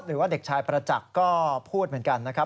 หรือว่าเด็กชายประจักษ์ก็พูดเหมือนกันนะครับ